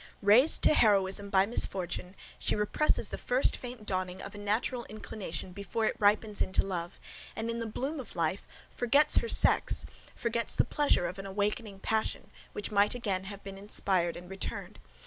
Raised to heroism by misfortunes, she represses the first faint dawning of a natural inclination, before it ripens into love, and in the bloom of life forgets her sex forgets the pleasure of an awakening passion, which might again have been inspired and returned.